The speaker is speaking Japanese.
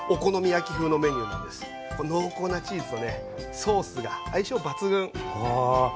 濃厚なチーズとねソースが相性抜群。